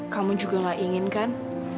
kamu juga gak ingin kan